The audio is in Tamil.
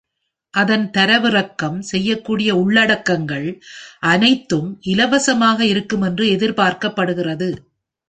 அதன் தரவிறக்கம் செய்யக்கூடிய உள்ளடக்கங்கள் அனைத்தும் இலவசமாக இருக்கும் என்று எதிர்பார்க்கப்படுகிறது.